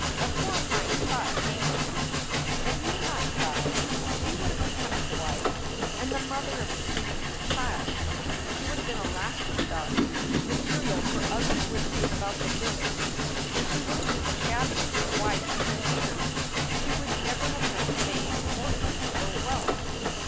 A horrifying thought came to Mem: if he had not died, she would have become his wife and the mother of his pre mature child. She would have been a laughing stock, material for ugly whispers about the village. And she would have been the shabbiest of wives even here. She would never have known fame or ease or wealth.